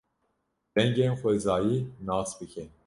Dengên xwezayî nas bike.